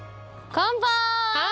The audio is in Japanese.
乾杯！